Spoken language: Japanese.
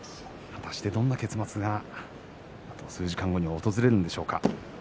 果たしてどんな結末が数時間後に訪れるんでしょうか。